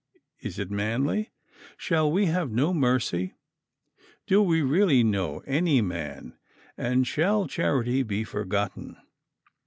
Is it manly? Shall we have no mercy? Do we really know any man; and shall charity be forgotten?